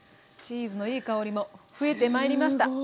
チーズのいい香りも増えてまいりました。